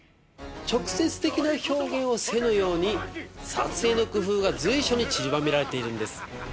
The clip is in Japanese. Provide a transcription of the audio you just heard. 直接的な表現をせぬように撮影の工夫が随所にちりばめられているんです。